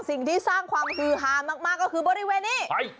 สิ่งที่สร้างความฮือฮามากก็คือบริเวณนี้